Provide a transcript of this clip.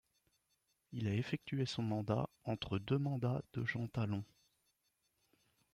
Il a effectué son mandat entre deux mandats de Jean Talon.